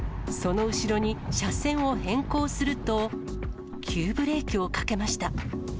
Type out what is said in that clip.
その後ろに車線を変更すると、急ブレーキをかけました。